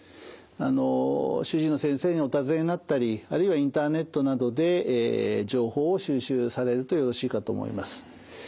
あの主治医の先生にお尋ねになったりあるいはインターネットなどで情報を収集されるとよろしいかと思います。